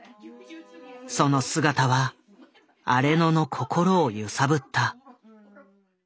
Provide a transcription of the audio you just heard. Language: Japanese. その姿は荒野の心を揺さぶった。